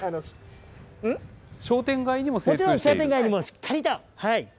商店街にもしっかりと。